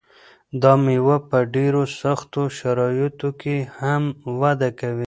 دا مېوه په ډېرو سختو شرایطو کې هم وده کوي.